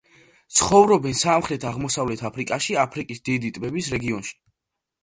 ცხოვრობენ სამხრეთ-აღმოსავლეთ აფრიკაში, აფრიკის დიდი ტბების რეგიონში.